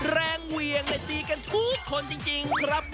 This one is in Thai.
เวียงดีกันทุกคนจริงครับ